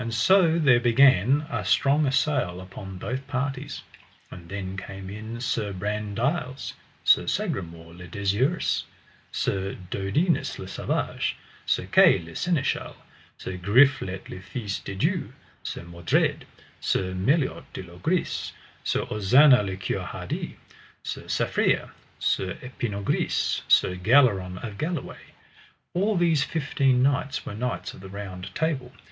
So there began a strong assail upon both parties. And then came in Sir Brandiles, Sir Sagramore le Desirous, Sir Dodinas le Savage, Sir Kay le Seneschal, Sir Griflet le Fise de Dieu, Sir Mordred, Sir Meliot de Logris, Sir Ozanna le Cure Hardy, Sir Safere, Sir Epinogris, Sir Galleron of Galway. All these fifteen knights were knights of the Table Round.